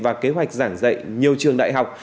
và kế hoạch giảng dạy nhiều trường đại học